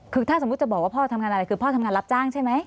คือพ่อทำงานรับจ้างใช่ไหม